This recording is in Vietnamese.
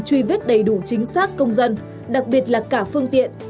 truy vết đầy đủ chính xác công dân đặc biệt là cả phương tiện